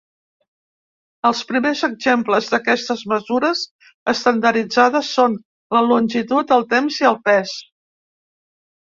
Els primers exemples d'aquestes mesures estandarditzades són la longitud, el temps i el pes.